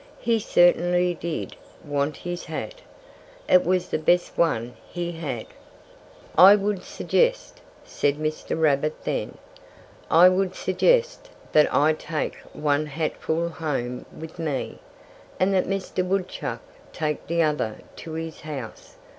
He certainly did want his hat. It was the best one he had. "I would suggest " said Mr. Rabbit then "I would suggest that I take one hatful home with me, and that Mr. Woodchuck take the other to his house.